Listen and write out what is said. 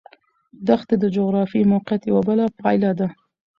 دښتې د جغرافیایي موقیعت یوه پایله ده.